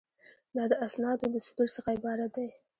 دا د اسنادو د صدور څخه عبارت دی.